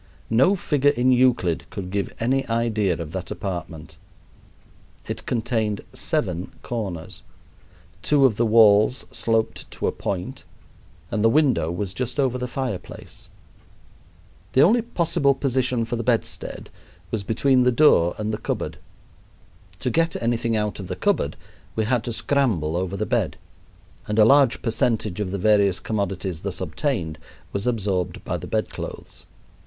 No figure in Euclid could give any idea of that apartment. It contained seven corners, two of the walls sloped to a point, and the window was just over the fireplace. The only possible position for the bedstead was between the door and the cupboard. To get anything out of the cupboard we had to scramble over the bed, and a large percentage of the various commodities thus obtained was absorbed by the bedclothes.